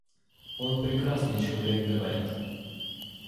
Он прекрасный человек, говорят.